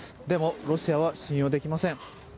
でも、ロシアは信用できません。